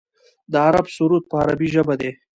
د عرب سرود په عربۍ ژبه دی.